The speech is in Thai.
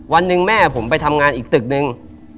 วันหนึ่งแม่ผมไปทำงานอีกตึกนึง